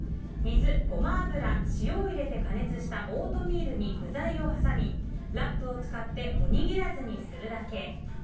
水、ゴマ油、塩を入れて加熱したオートミールに具材を挟み、ラップを使っておにぎらずにするだけ。